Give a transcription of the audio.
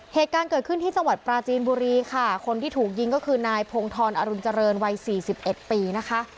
เหตุการณ์เกิดขึ้นที่สวัสดิ์ปราจีนบุรีค่ะคนที่ถูกยิงก็คือนายพงธรอรุณเจริญวัย๔๑ปีนะคะ